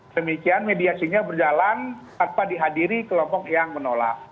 demikian mediasinya berjalan tanpa dihadiri kelompok yang menolak